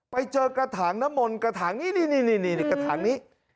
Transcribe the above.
ไปเจอกระถางน้ำมนต์กระถางนี้นี่นี่นี่นี่นี่นี่กระถางนี้